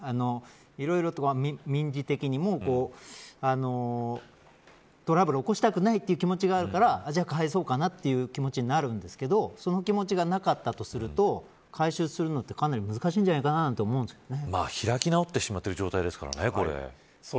いろいろと民事的にもトラブルを起こしたくないという意識もあるからじゃあ返そうかなという気持ちになるんですけどその気持ちがなかったとすると回収するのはかなり難しいんじゃないかと思うんですけどね。